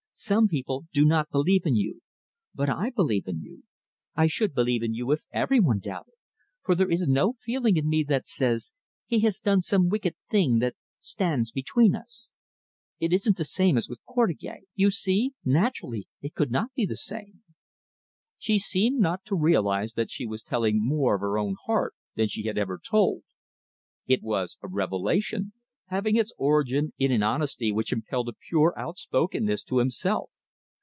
Some people do not believe in you. But I believe in you I should believe in you if every one doubted; for there is no feeling in me that says, 'He has done some wicked thing that stands between us.' It isn't the same as with Portugais, you see naturally, it could not be the same." She seemed not to realise that she was telling more of her own heart than she had ever told. It was a revelation, having its origin in an honesty which impelled a pure outspokenness to himself.